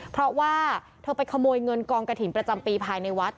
เพราะว่าเธอไปขโมยเงินกองกระถิ่นประจำปีภายในวัด